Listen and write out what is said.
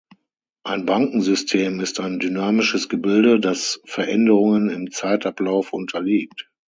Ein Bankensystem ist ein dynamisches Gebilde, das Veränderungen im Zeitablauf unterliegt.